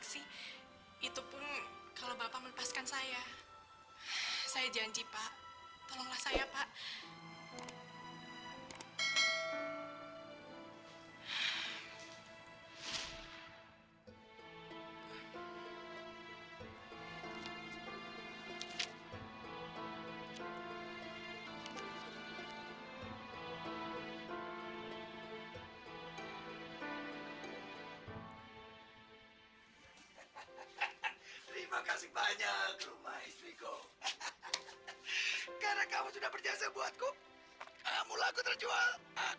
sampai jumpa di video selanjutnya